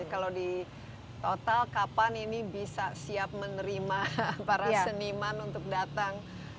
kalau di total kapan ini bisa siap menerima para seniman untuk datang